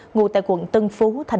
ngủ tại quận tân phú tp hcm